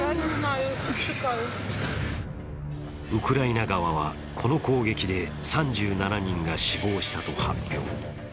ウクライナ側はこの攻撃で３７人が死亡したと発表。